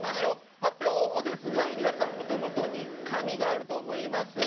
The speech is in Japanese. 発表方法ですが皆さんのお手元に紙があると思います。